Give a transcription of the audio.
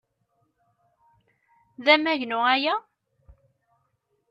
D amagnu aya?